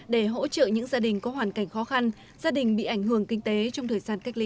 để hỗ trợ những gia đình có hoàn cảnh khó khăn gia đình bị ảnh hưởng kinh tế trong thời gian cách ly